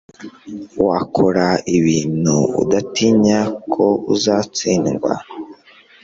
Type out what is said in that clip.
wakora ibintu udatinya ko uzatsindwa